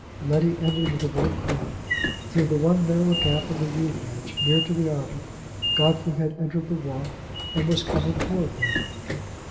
Letty ended with a little cry. Through the one narrow gap in the yew hedge, near to the arbor, Godfrey had entered the walk, and was coming toward them.